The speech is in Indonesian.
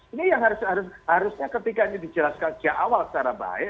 ini yang harusnya ketika ini dijelaskan sejak awal secara baik